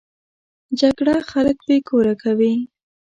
جګړه خلک بې کوره کوي